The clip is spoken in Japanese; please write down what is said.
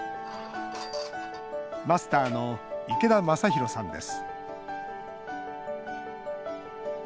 マスターの池田昌広さんです。